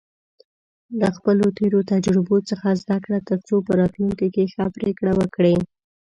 له خپلو تېرو تجربو څخه زده کړه، ترڅو په راتلونکي کې ښه پریکړې وکړې.